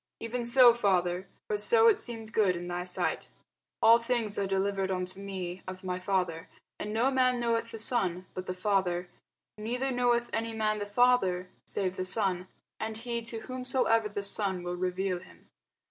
Even so, Father: for so it seemed good in thy sight. All things are delivered unto me of my Father: and no man knoweth the Son, but the Father; neither knoweth any man the Father, save the Son, and he to whomsoever the Son will reveal him.